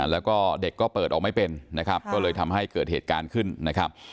แล้วเด็กก็เปิดออกไม่เป็นทำให้เกิดเหตุการณ์ขึ้น